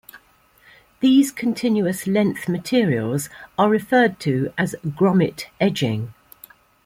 These Continuous length materials are referred to as "grommet edging".